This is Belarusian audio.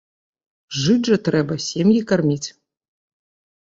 Жыць жа трэба, сем'і карміць!